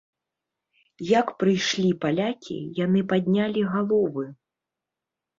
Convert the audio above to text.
Як прыйшлі палякі, яны паднялі галовы.